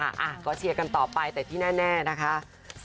อ่ะก็เชียร์กันต่อไปแต่ที่แน่นะคะ